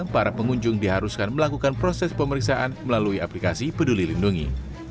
para pengunjung diharuskan melakukan proses pemeriksaan melalui aplikasi peduli lindungi